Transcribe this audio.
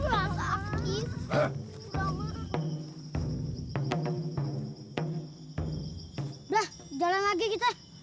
udah jalan lagi kita